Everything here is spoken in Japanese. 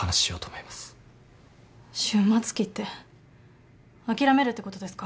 終末期って諦めるってことですか？